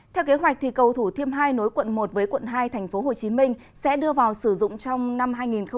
theo kế hoạch cầu thủ thiêm hai nối quận một với quận hai tp hcm sẽ đưa vào sử dụng trong năm hai nghìn hai mươi